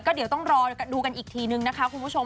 เดี๋ยวต้องรอดูกันอีกทีนึงนะคะคุณผู้ชม